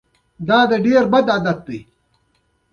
حجرې به يې حرکت کا.